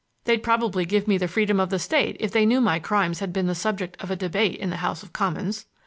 They'd probably give me the freedom of the state if they knew my crimes had been the subject of debate in the House of Commons.